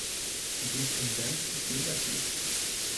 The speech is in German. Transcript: Die Tendenz ist negativ.